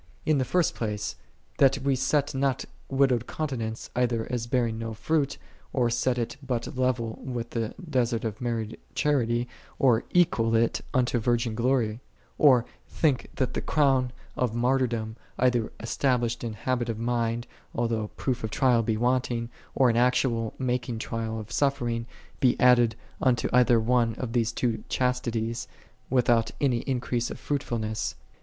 In the first place, that we set not widowed continence either as bear ing no fruit, or set it but level with the desert of married charity, or equal it unto virgin glory; or think that the Crown of Martyr dom, either established in habit of mind, al though proof of trial be wanting, or in actual making trial of suffering, be added unto either one of those these chastities, without any in crease of fruitfulness.